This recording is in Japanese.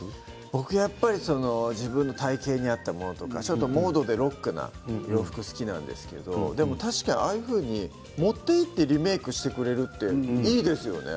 僕はやっぱり自分の体形に合ったものとかモードでロックな服が好きなんですけど確かにああいうふうに持って行ってリメークしてくれるっていいですよね。